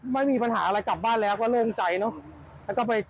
ไม่มีปัญหาอะไรกลับบ้านแล้วก็เลิกใจ